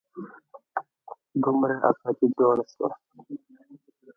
دومره ازادي جوړه شوه.